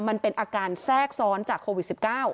มันเป็นอาการแทรกซ้อนจากโควิด๑๙